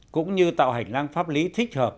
cũng như tạo hành lang pháp lý thích hợp